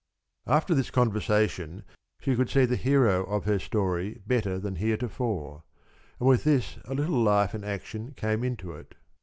After this conversation she could see the hero of her story better than heretofore, and with this a little life and action came into it.